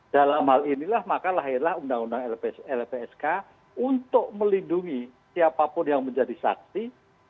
dalam hal inilah maka lahirlah undang undang lpsk untuk melindungi siapapun yang menjadi saksi